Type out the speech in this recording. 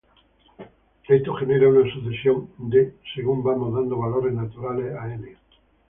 Esto genera una sucesión {"d"} según vamos dando valores naturales a "n".